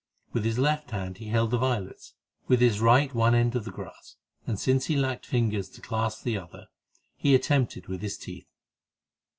With his left hand he held the violets, with his right one end of the grass, and since he lacked fingers to clasp the other, this he attempted with his teeth.